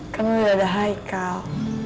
kami udah ada haikal